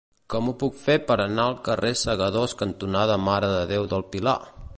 Com ho puc fer per anar al carrer Segadors cantonada Mare de Déu del Pilar?